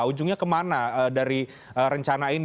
ujungnya kemana dari rencana ini